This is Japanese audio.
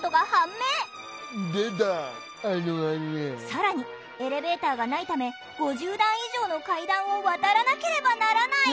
更にエレベーターがないため５０段以上の階段を渡らなければならない。